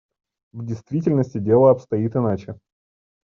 В действительности дело обстоит иначе.